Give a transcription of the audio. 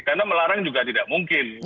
karena melarang juga tidak mungkin